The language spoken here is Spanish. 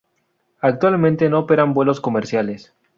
Actualmente no operan vuelos comerciales.